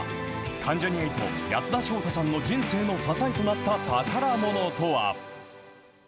関ジャニ∞・安田章大さんの人生の支えとなった宝ものとは。